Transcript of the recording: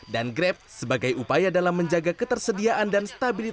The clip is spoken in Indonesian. dan grep sebagai upaya dalam menjaga ketersediaan dan stabilitas